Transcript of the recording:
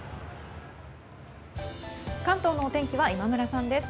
関東のお天気は今村さんです。